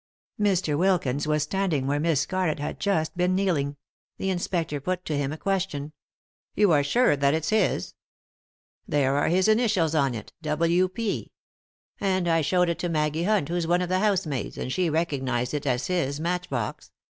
• Mr. Wilkins was standing where Miss Scarlett had just been kneeling. The inspector put to him a question. "You are sure that it's his?" " There are his initials on it — W. P. And I showed it to Maggie Hunt, who's one of the housemaids, and she recognised it as his matchbox.